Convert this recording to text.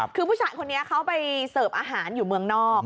คือผู้ชายคนนี้เขาไปเสิร์ฟอาหารอยู่เมืองนอก